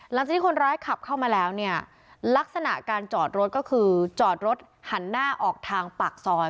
หลังจากที่คนร้ายขับเข้ามาแล้วเนี่ยลักษณะการจอดรถก็คือจอดรถหันหน้าออกทางปากซอย